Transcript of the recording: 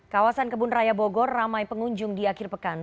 kawasan kebun raya bogor ramai pengunjung di akhir pekan